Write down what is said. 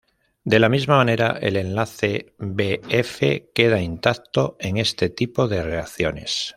De la misma manera el enlace B-F queda intacto en este tipo de reacciones.